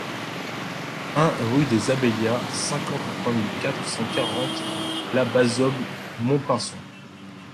un rue des Abélias, cinquante-trois mille quatre cent quarante La Bazoge-Montpinçon